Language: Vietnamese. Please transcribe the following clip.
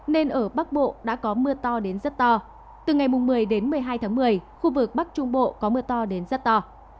nên ở bắc bộ đã có mưa to đến rất to từ ngày một mươi đến một mươi hai tháng một mươi khu vực bắc trung bộ có mưa to đến rất to